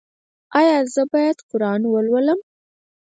ایا زه باید قرآن ولولم؟